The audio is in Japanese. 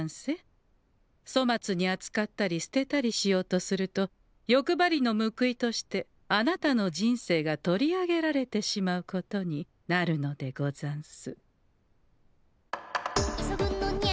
粗末にあつかったり捨てたりしようとするとよくばりの報いとしてあなたの人生がとりあげられてしまうことになるのでござんす。